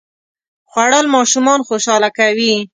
خوړل ماشومان خوشاله کوي